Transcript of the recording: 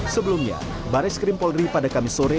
sebelumnya baris krimpolri pada kamis sore